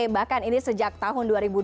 bahkan ini sejak tahun dua ribu dua puluh